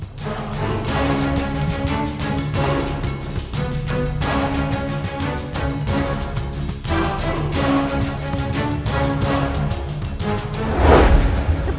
tepaskan nyi iroh